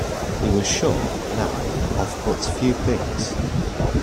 He was sure, now, of but few things.